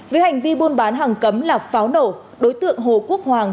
với hành vi buôn bán hàng cấm là pháo nổ đối tượng hồ quốc hoàng